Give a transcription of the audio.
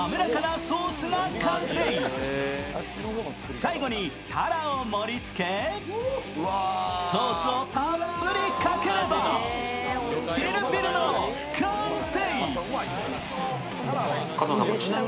最後にたらを盛りつけソースをたっぷりかければピルピルの完成！